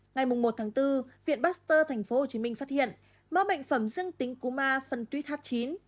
ngày một bốn viện pasteur tp hcm phát hiện mẫu bệnh phẩm dương tính cú ma phân tuy h chín